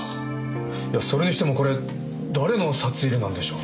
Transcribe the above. いやそれにしてもこれ誰の札入れなんでしょう。